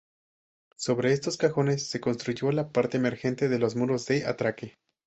Sobre estos cajones se construyó la parte emergente de los muros de atraque.